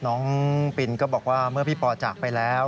น้องปินก็บอกว่าเมื่อพี่ปอจากไปแล้ว